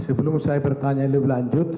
sebelum saya bertanya lebih lanjut